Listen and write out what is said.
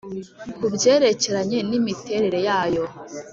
ku byerekeranye n imiterere yayo